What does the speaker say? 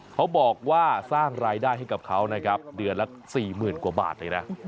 เขาบอกว่าสร้างรายได้ให้กับเขานะครับเดือนละ๔๐๐๐กว่าบาทเลยนะ